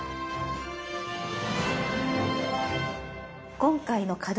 今回の課題